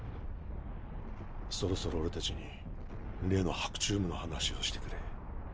そろそろ俺たちに例の白昼夢の話をしてくれ。